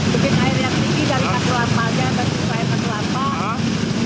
ketika air yang tinggi dari aturan pangga ke aturan pang